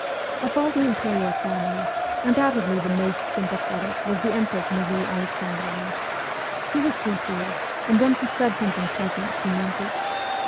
Of all the imperial family, undoubtedly the most sympathetic was the empress Marie Alexandrovna. She was sincere, and when she said something pleasant she meant it.